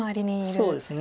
そうですね